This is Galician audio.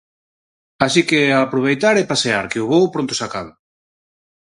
Así que a aproveitar e pasear, que o bo pronto se acaba.